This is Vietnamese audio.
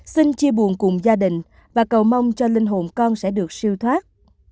xin chia buồn cùng gia đình và cầu mong cho linh hồn con sẽ được siêu thoát